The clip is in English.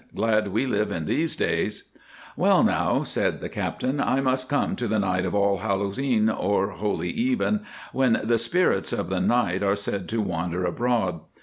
"Glad we live in these days." "Well, now," said the Captain, "I must come to the night of All Hallows E'en, or Holy Even, when the spirits of the night are said to wander abroad.